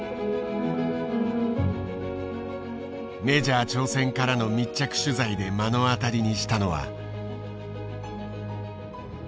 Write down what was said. メジャー挑戦からの密着取材で目の当たりにしたのは。